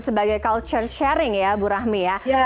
sebagai culture sharing ya bu rahmi ya